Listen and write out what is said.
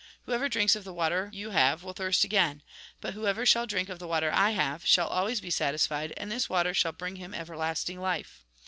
Whoever drinks of the water you have will thirst again. But whoever shall drink of the water I have shall always be satisfied, and this water shall bring hun everlasting life."